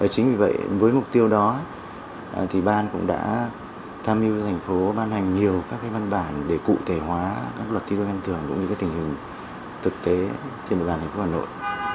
chính vì vậy với mục tiêu đó thì ban cũng đã tham dự thành phố ban hành nhiều các văn bản để cụ thể hóa các luật thi đua khen thưởng cũng như tình hình thực tế trên đời bản hình của hà nội